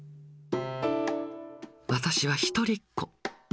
私は一人っ子。